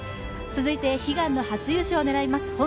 続いて悲願の初優勝を狙います